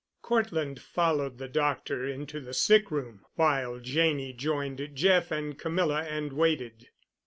Cortland followed the doctor into the sick room, while Janney joined Jeff and Camilla and waited.